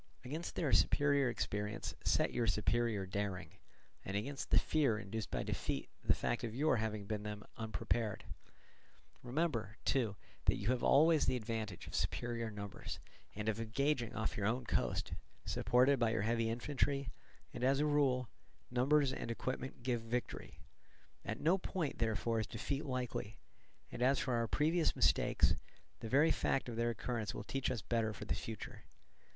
Against their superior experience set your superior daring, and against the fear induced by defeat the fact of your having been then unprepared; remember, too, that you have always the advantage of superior numbers, and of engaging off your own coast, supported by your heavy infantry; and as a rule, numbers and equipment give victory. At no point, therefore, is defeat likely; and as for our previous mistakes, the very fact of their occurrence will teach us better for the future.